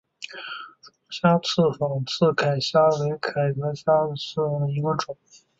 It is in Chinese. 双眼刺仿刺铠虾为铠甲虾科仿刺铠虾属下的一个种。